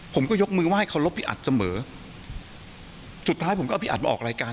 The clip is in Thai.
ผมก็ยกมือไห้เคารพพี่อัดเสมอสุดท้ายผมก็เอาพี่อัดมาออกรายการ